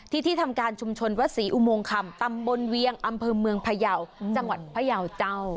ที่ที่ทำการชุมชนวัดศรีอุโมงคำตำบลเวียงอำเภอเมืองพยาวจังหวัดพยาวเจ้า